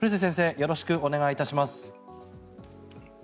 よろしくお願いします。